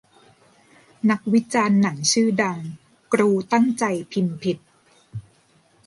นักวิจารณ์หนังชื่อดัง กรูตั้งใจพิมพ์ผิด